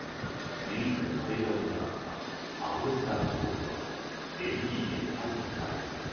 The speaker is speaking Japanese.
唯一の生存者だったアブデスラム被告はベルギーで逮捕された。